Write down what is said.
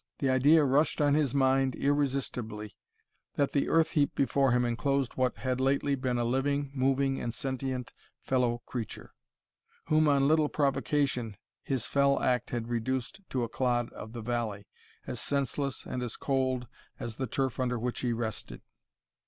The idea rushed on his mind irresistibly, that the earth heap before him enclosed what had lately been a living, moving, and sentient fellow creature, whom, on little provocation, his fell act had reduced to a clod of the valley, as senseless and as cold as the turf under which he rested.